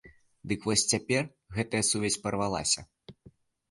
Дык вось, цяпер гэтая сувязь парвалася.